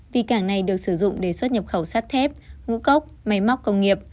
vì cảng này được sử dụng để xuất nhập khẩu sắt thép ngũ cốc máy móc công nghiệp